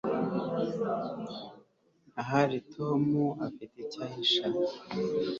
ahari tom afite icyo ahisha